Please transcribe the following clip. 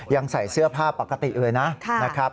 ยังใส่เสื้อผ้าปกติเลยนะครับ